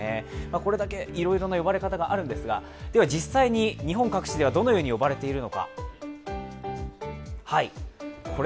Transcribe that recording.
これだけいろいろな呼ばれ方があるんですが実際に日本各地ではどのように呼ばれているのか。